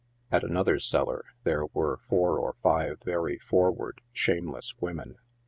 At another cellar there were four or five very forward, shameless women.